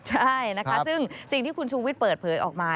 ใช่นะคะซึ่งสิ่งที่คุณชูวิทย์เปิดเผยออกมา